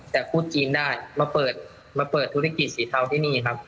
แต่พูดจีนได้มาเปิดมาเปิดธุรกิจสีเทาที่นี่ครับ